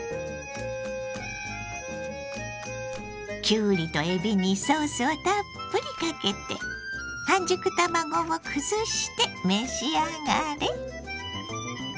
きゅうりとえびにソースをたっぷりかけて半熟卵をくずして召し上がれ！